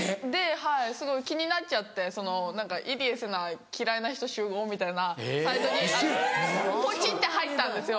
はいすごい気になっちゃって何か「入江聖奈嫌いな人集合」みたいなサイトにポチって入ったんですよ。